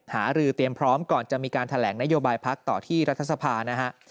หารือเตรียมพร้อมก่อนจะมีการแถลงนโยบายพักต่อที่รัฐสภานะฮะ